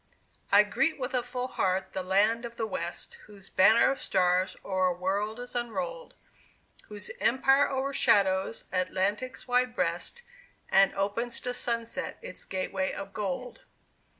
I greet with a full heart the Land of the West, Whose Banner of Stars o'er a world is unrolled; Whose empire o'ershadows Atlantic's wide breast, And opens to sunset its gateway of gold!